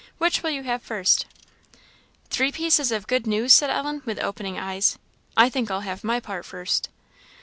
Which will you have first?" "Three pieces of good news!" said Ellen, with opening eyes; "I think I'll have my part first."